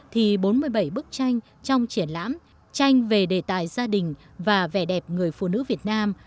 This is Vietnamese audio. thì bốn mươi bảy bức tranh trong triển lãm tranh về đề tài gia đình và vẻ đẹp người phụ nữ việt nam